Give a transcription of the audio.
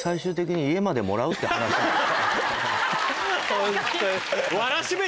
ホントに。